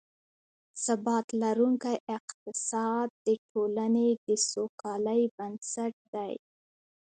ثبات لرونکی اقتصاد، د ټولنې د سوکالۍ بنسټ دی